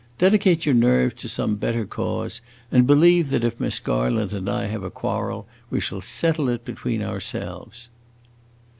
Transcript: Dedicate your nerves to some better cause, and believe that if Miss Garland and I have a quarrel, we shall settle it between ourselves."